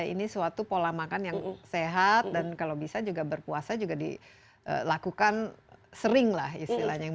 ini suatu pola makan yang sehat dan kalau bisa juga berpuasa juga dilakukan sering lah istilahnya